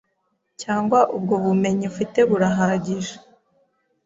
Cyangwa ubwo bumenyi ufite burahagije